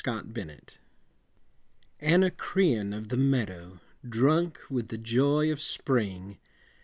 THE BOBOLINK. Anacreon of the meadow, Drunk with the joy of spring!